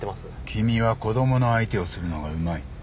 君は子供の相手をするのがうまい。